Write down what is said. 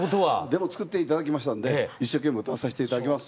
でも作って頂きましたんで一生懸命歌わさせて頂きます。